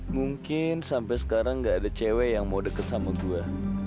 mungkin sampai sekarang gak ada cewek yang mau deket sama gue